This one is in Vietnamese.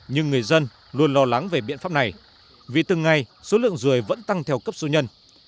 nhưng người dân luôn lo lắng về biện pháp này vì từng ngày số lượng ruồi vẫn tăng theo cấp số nhân